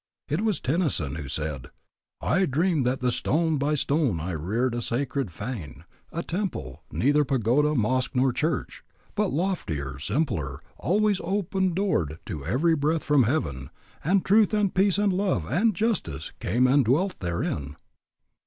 It was Tennyson who said, "I dreamed that stone by stone I reared a sacred fane, a temple, neither pagoda, mosque, nor church, but loftier, simpler, always open doored to every breath from heaven, and Truth and Peace and Love and Justice came and dwelt therein."